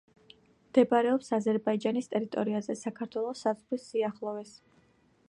მდებარეობს აზერბაიჯანის ტერიტორიაზე, საქართველოს საზღვრის სიახლოვეს.